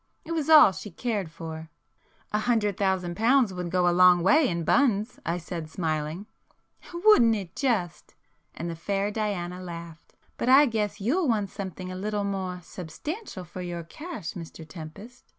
It was all she cared for." "A hundred thousand pounds would go a long way in buns!" I said smiling. [p 129]"Wouldn't it just!" and the fair Diana laughed—"But I guess you'll want something a little more substantial for your cash Mr Tempest!